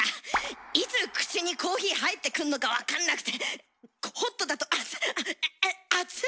いつ口にコーヒー入ってくんのか分かんなくてホットだと「熱っあ熱っ！」